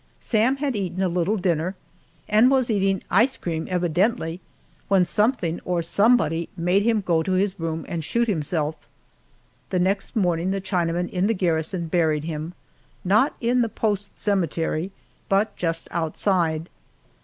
Sam had eaten a little dinner, and was eating ice cream, evidently, when something or somebody made him go to his room and shoot himself. The next morning the Chinamen in the garrison buried him not in the post cemetery, but just outside.